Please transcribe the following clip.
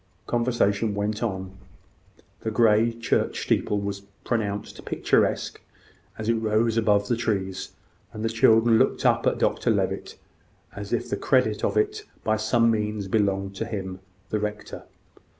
Conversation went on. The grey church steeple was pronounced picturesque, as it rose above the trees; and the children looked up at Dr Levitt, as if the credit of it by some means belonged to him, the rector.